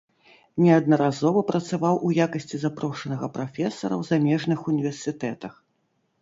Неаднаразова працаваў у якасці запрошанага прафесара ў замежных універсітэтах.